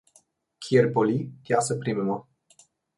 Kjer boli, tja se primemo.